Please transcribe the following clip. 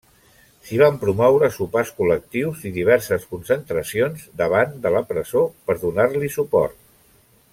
S'hi van promoure sopars col·lectius i diverses concentracions, davant de la presó, per donar-li suport.